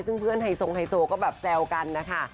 ซึ่งเพื่อนไฮทรงไฮโซก็แบบแซวกันนะคะ